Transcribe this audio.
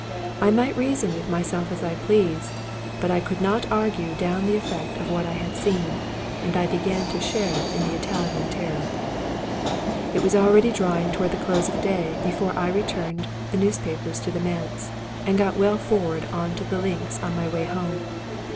I might reason with myself as I pleased, but I could not argue down the eflFect of what I had seen, and I began to share in the Italian terror. It was already drawing toward the close of the day be fore Thad returned the newspapers to the manse, and got well forward on to the links on my way home.